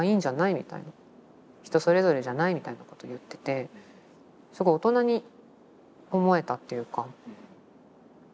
「人それぞれじゃない？」みたいなこと言っててすごい大人に思えたっていうか。